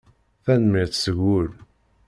Tanemmirt seg wul.